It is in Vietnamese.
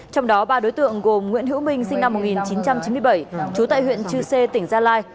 trong đó ba đối tượng gồm nguyễn hữu minh sinh năm một nghìn chín trăm chín mươi bảy trú tại huyện chư sê tỉnh gia lai